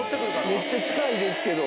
めっちゃ近いですけど。